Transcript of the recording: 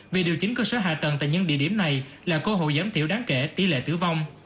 việc điều chỉnh cơ sở hạ tầng tại những địa điểm này là cơ hội giảm thiểu đáng kể tỷ lệ tử vong